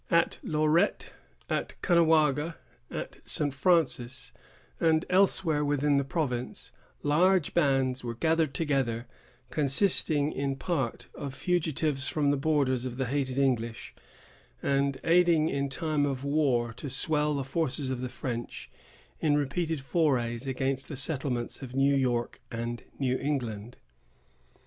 At Lorette, at Caughnawaga, at St. Francis, and elsewhere within the province, large bands were gathered together, consisting in part of fugitives from the borders of the hated English, and aiding in time of war to swell the forces of the French in repeated forays against the settlements of New York and New England.